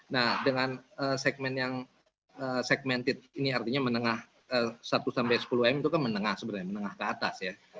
nah dengan segmen yang segmented ini artinya menengah satu sampai sepuluh m itu kan menengah sebenarnya menengah ke atas ya